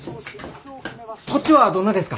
こっちはどんなですか？